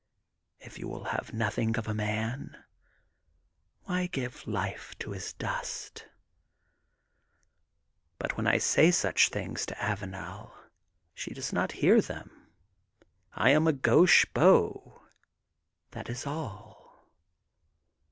If you will have nothing of a man, why give life to his dust ?^' But when I say such things to Avanel, she does not hear them. I am a gauche beau, that is all